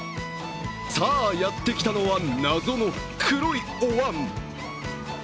さぁ、やってきたのは謎の黒いおわん。